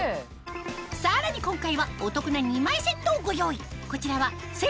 さらに今回はお得な２枚セットをご用意